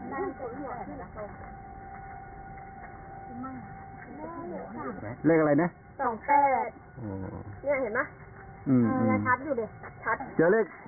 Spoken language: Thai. เลขอะไรนะสองแปดอ๋อนี่เห็นไหมอืมอยู่ดิชัด